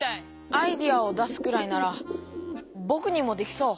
アイデアを出すくらいならぼくにもできそう。